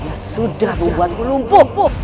dia sudah membuatku lumpuh